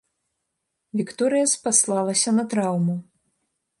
Вікторыя спаслалася на траўму.